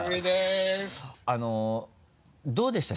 あのどうでした？